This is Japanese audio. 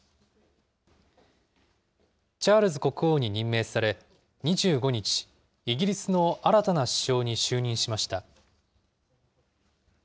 チャールズ国王に任命され、２５日、イギリスの新たな首相に就任しました。